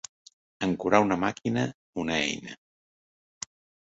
Ancorar una màquina, una eina.